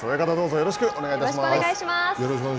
よろしくお願いします。